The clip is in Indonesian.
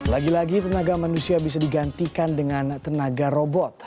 lagi lagi tenaga manusia bisa digantikan dengan tenaga robot